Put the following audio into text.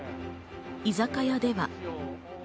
居酒屋では。